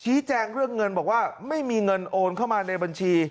แจ้งเรื่องเงินบอกว่าไม่มีเงินโอนเข้ามาในบัญชี